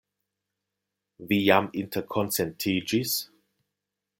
Vi jam interkonsentiĝis?